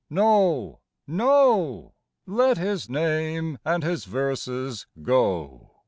No, no! Let his name and his verses go.